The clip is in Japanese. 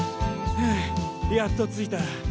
ふうやっと着いた。